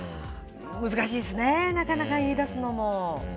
難しいですねなかなか言い出すのも。